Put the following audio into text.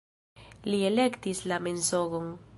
Li elektis la mensogon.